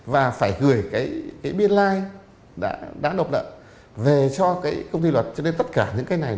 và phải gửi cái biên lai đã độc nợ về cho cái công ty luật cho nên tất cả những cái này